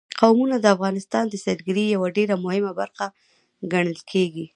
قومونه د افغانستان د سیلګرۍ یوه ډېره مهمه برخه ګڼل کېږي.